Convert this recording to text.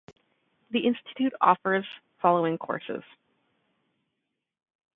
The Institute offers following courses.